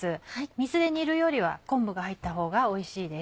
水で煮るよりは昆布が入ったほうがおいしいです。